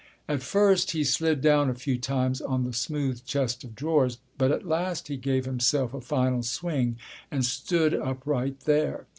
At first he slid down a few times on the smooth chest of drawers. But at last he gave himself a final swing and stood upright there.